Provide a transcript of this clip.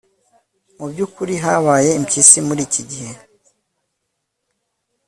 mubyukuri habaye impyisi muriki gihe